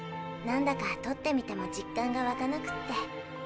なんだかとってみても実感がわかなくて。